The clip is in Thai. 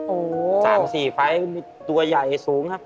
โอ้โห๓๔ไฟล์มีตัวใหญ่สูงครับ